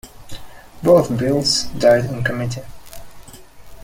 Both bills died in committee.